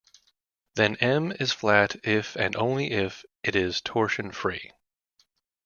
Then "M" is flat if and only if it is torsion-free.